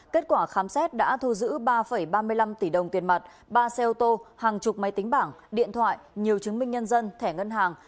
kết quả khám xét đã thu giữ ba ba mươi năm tỷ đồng tiền mặt ba xe ô tô hàng chục máy tính bảng điện thoại nhiều chứng minh nhân dân thẻ ngân hàng